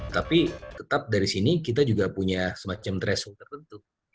tapi tetap dari sini kita juga punya semacam threshold tertentu